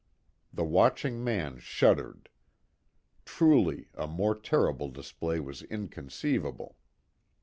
The watching man shuddered. Truly a more terrible display was inconceivable.